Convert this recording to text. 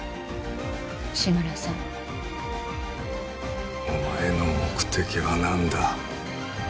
志村さんお前の目的は何だ？